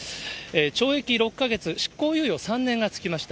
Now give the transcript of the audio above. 懲役６か月、執行猶予３年が付きました。